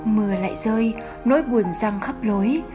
mưa lại rơi nỗi buồn răng khắp lối